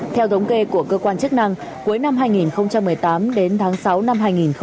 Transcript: theo thống kê của cơ quan chức năng cuối năm hai nghìn một mươi tám đến tháng sáu năm hai nghìn một mươi chín